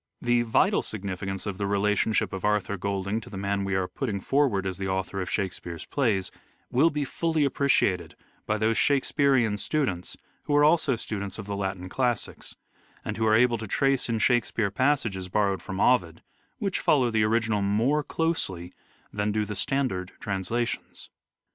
The vital significance of the relationship of Arthur Golding to the man we are putting forward as the author of Shakespeare's plays will be fully appreciated by those Shakespearean students who are also students of the Latin classics, and who are able to trace in Shake speare passages borrowed from Ovid, which follow the original more closely that do the standard trans lations.